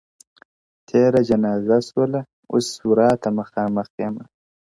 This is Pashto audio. تېره جنازه سوله اوس ورا ته مخامخ يمه؛